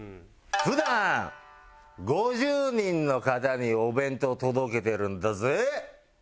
普段５０人の方にお弁当届けてるんだぜぇ！